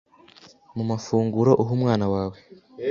mu mafunguro uha umwana wawe